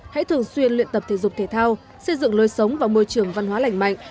hãy thường xuyên luyện tập thể dục thể thao xây dựng lối sống và môi trường văn hóa lành mạnh